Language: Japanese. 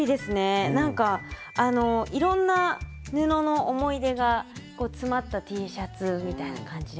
なんかいろんな布の思い出が詰まったＴシャツみたいな感じで。